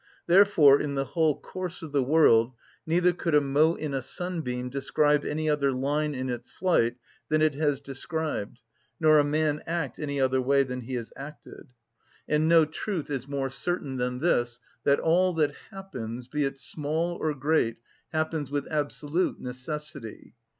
Therefore, in the whole course of the world, neither could a mote in a sunbeam describe any other line in its flight than it has described, nor a man act any other way than he has acted; and no truth is more certain than this, that all that happens, be it small or great, happens with absolute necessity.